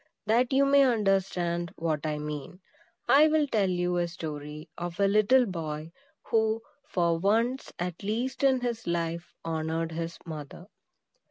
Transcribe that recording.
That you may understand what I mean, I will tell you a story of a little boy who, for once, at least in his life, honored his mother.